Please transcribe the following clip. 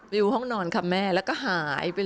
วิวห้องนอนค่ะแม่แล้วก็หายไปเลย